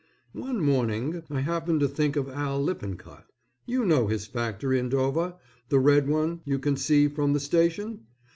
One morning, I happened to think of Al Lippincott. You know his factory in Dover, the red one you can see from the station?